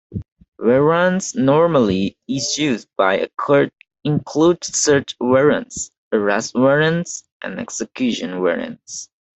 Warrants normally issued by a court include search warrants, arrest warrants, and execution warrants.